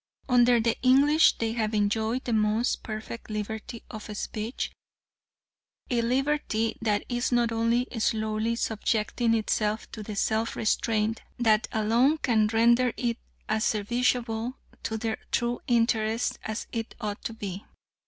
Under the English they have enjoyed the most perfect liberty of speech a liberty that is only slowly subjecting itself to the self restraint that alone can render it as serviceable to their true interests as it ought to be.